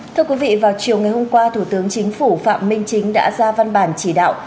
thưa quý vị vào chiều ngày hôm qua thủ tướng chính phủ phạm minh chính đã ra văn bản chỉ đạo